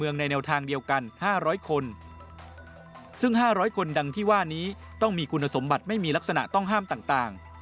ถึง๕๐๐คนดังที่ว่านี้ต้องมีคุณสมบัติไม่มีลักษณะต้องห้ามต่าง